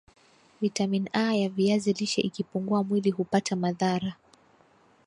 vitamin A ya viazi lishe ikipungua mwili hupata madhara